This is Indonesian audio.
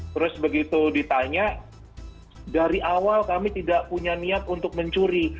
terus begitu ditanya dari awal kami tidak punya niat untuk mencuri